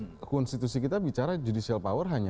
karena konstitusi kita bicara judicial power hanya